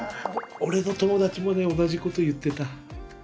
俺の友達もね同じこと言ってた。